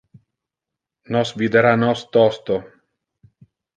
Nos videra nos tosto.